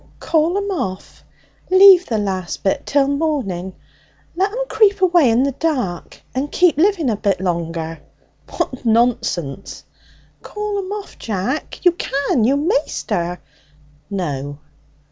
'Call 'em off! Leave the last bit till morning. Let 'em creep away in the dark and keep living a bit longer!' 'What nonsense!' 'Call 'em off, Jack! You can. You'm maister!' 'No.'